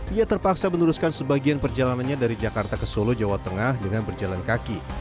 ia terpaksa meneruskan sebagian perjalanannya dari jakarta ke solo jawa tengah dengan berjalan kaki